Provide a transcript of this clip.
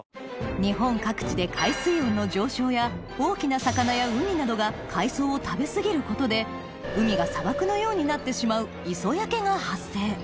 日本各地で海水温の上昇や大きな魚やウニなどが海藻を食べ過ぎることで海が砂漠のようになってしまう磯焼けが発生